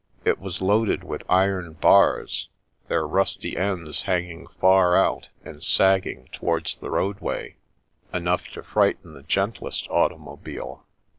It was loaded with iron bars, their rusty ends hanging far out and sagging towards the roadway, enough to frighten the gentlest automobile.